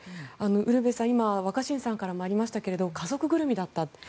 ウルヴェさん今、若新さんからもありましたが家族ぐるみだった。